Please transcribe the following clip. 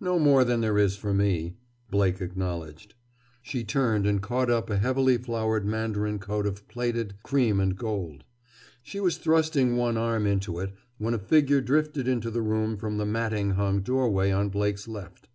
"No more than there is for me," Blake acknowledged. She turned and caught up a heavily flowered mandarin coat of plaited cream and gold. She was thrusting one arm into it when a figure drifted into the room from the matting hung doorway on Blake's left.